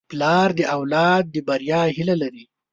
پلار د اولاد د بریا هیله لري.